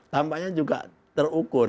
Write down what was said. tampaknya juga terukur